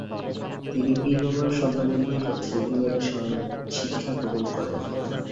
তিনি পীর বাবার সন্তানদের নিকট সুফিবাদের সশিক্ষা গ্রহণ করেন।